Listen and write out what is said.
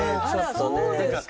あらそうですか。